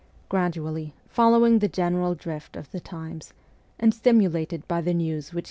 Gradually, following the general drift of the times, and stimulated by the news which ST.